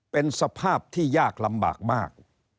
เป็นสภาพที่ยากลำบากมาก